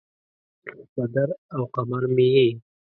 بدر او قمر مې یې